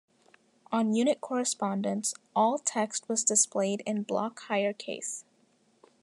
On unit correspondence, all text was displayed in block higher case.